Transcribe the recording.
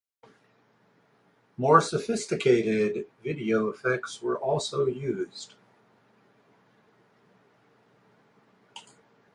More sophisticated video effects were also used.